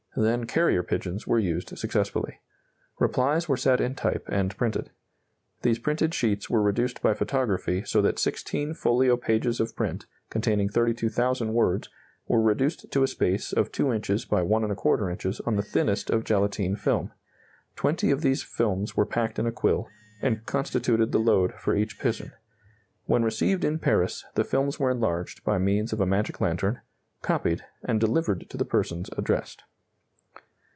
Then carrier pigeons were used successfully. Replies were set in type and printed. These printed sheets were reduced by photography so that 16 folio pages of print, containing 32,000 words, were reduced to a space of 2 inches by 1¼ inches on the thinnest of gelatine film. Twenty of these films were packed in a quill, and constituted the load for each pigeon. When received in Paris, the films were enlarged by means of a magic lantern, copied, and delivered to the persons addressed.